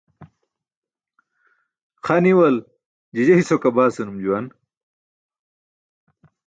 Xa niwal "jijey sokabaa" senum juwan.